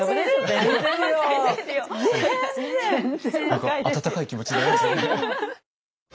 何か温かい気持ちになりますね。